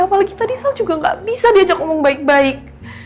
apalagi tadi saya juga gak bisa diajak ngomong baik baik